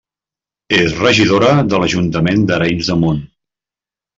És regidora a l'Ajuntament d'Arenys de Munt.